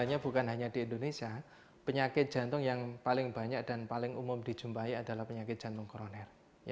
sebenarnya bukan hanya di indonesia penyakit jantung yang paling banyak dan paling umum dijumpai adalah penyakit jantung koroner